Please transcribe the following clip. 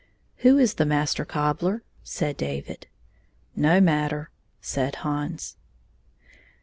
"Who is the Master Cobbler?" said David. "No matter," said Hans.